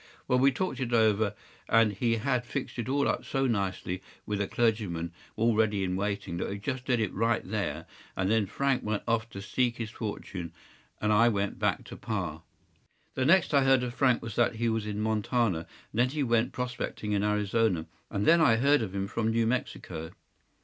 ’ Well, we talked it over, and he had fixed it all up so nicely, with a clergyman all ready in waiting, that we just did it right there; and then Frank went off to seek his fortune, and I went back to pa. “The next I heard of Frank was that he was in Montana, and then he went prospecting in Arizona, and then I heard of him from New Mexico.